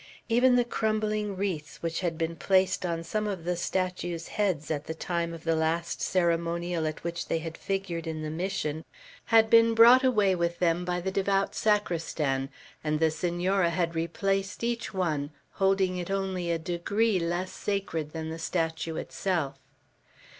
Even the crumbling wreaths which had been placed on some of the statues' heads at the time of the last ceremonial at which they had figured in the Mission, had been brought away with them by the devout sacristan, and the Senora had replaced each one, holding it only a degree less sacred than the statue itself.